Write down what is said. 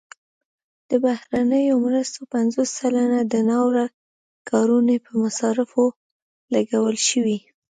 د بهرنیو مرستو پنځوس سلنه د ناوړه کارونې په مصارفو لګول شوي.